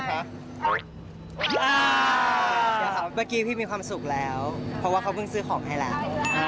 เมื่อกี้พี่มีความสุขแล้วเพราะว่าเขาเพิ่งซื้อของให้แล้ว